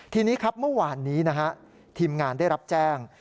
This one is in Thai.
ทีนี้ครับเมื่อวานนี้นะฮะทีมงานได้รับแจ้ง